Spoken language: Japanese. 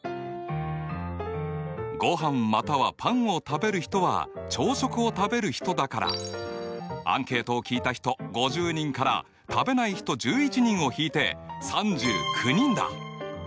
ごはんまたはパンを食べる人は朝食を食べる人だからアンケートを聞いた人５０人から食べない人１１人を引いて３９人だ。